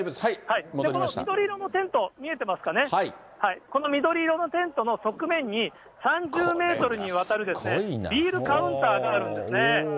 この緑色のテント見えてますかね、この緑色のテントの側面に、３０メートルにわたるビールカウンターがあるんですね。